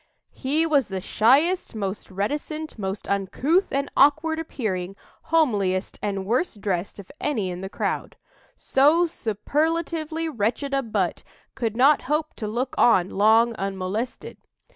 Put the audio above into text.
"He was the shyest, most reticent, most uncouth and awkward appearing, homeliest and worst dressed of any in the crowd. So superlatively wretched a butt could not hope to look on long unmolested.